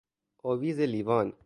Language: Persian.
آویز لیوان